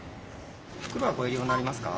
袋はご入り用になりますか？